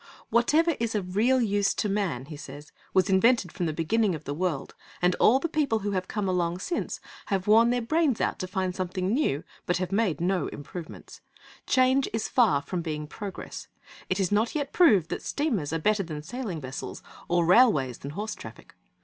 'Whatever is of real use to man,' he says, 'was invented from the beginning of the world, and all the people who have come along since have worn their brains out to find something new, but have made no improvements. Change is far from being progress; it is not yet proved that steamers are better than sailing vessels, or railways than horse traffic.